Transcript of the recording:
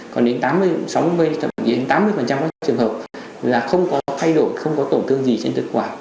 còn đến tám mươi trong những trường hợp là không có thay đổi không có tổn thương gì trên thực quản